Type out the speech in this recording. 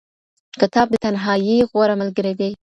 کتاب د تنهایۍ غوره ملګری دی.